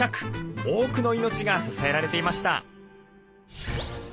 多くの命が支えられていました。